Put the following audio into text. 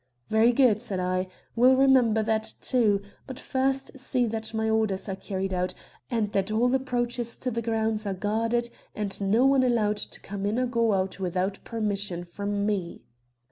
'Very good,' said I, 'we'll remember that, too; but first see that my orders are carried out and that all approaches to the grounds are guarded and no one allowed to come in or go out without permission from me.'